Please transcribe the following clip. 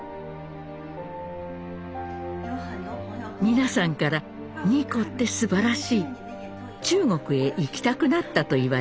皆さんから二胡ってすばらしい中国へ行きたくなったと言われました。